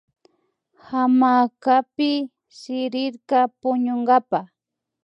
Hamacapi sirirka puñunkapa